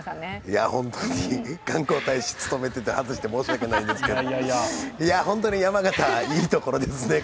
本当に、観光大使務めてて外して申し訳ないですけど、ホントに山形、いいところですね。